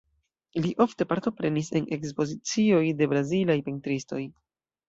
Li ofte partoprenis en ekspozicioj de brazilaj pentristoj.